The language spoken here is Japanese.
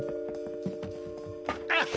あっ。